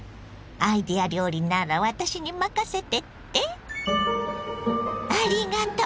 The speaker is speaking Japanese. アイデア料理なら私に任せてって⁉ありがとう！